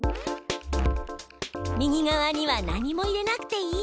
右側には何も入れなくていいの。